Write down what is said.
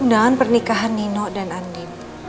undangan pernikahan nino dan andi